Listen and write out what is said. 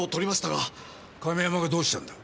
亀山がどうしたんだ？